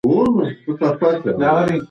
سیاسي نظام د خلکو اراده څرګندوي